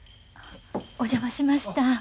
お邪魔しました。